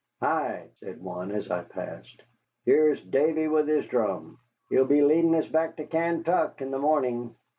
"Hi," said one, as I passed, "here's Davy with his drum. He'll be leadin' us back to Kaintuck in the morning."